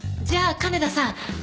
じゃあ金田さん。